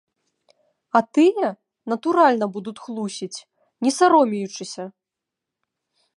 А тыя, натуральна, будуць хлусіць, не саромеючыся.